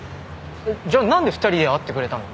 じゃあ何で２人で会ってくれたの？